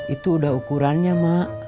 itu udah ukurannya mak tiga puluh sembilan